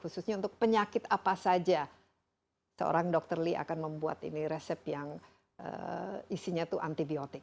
khususnya untuk penyakit apa saja seorang dokter lia akan membuat ini resep yang isinya itu antibiotik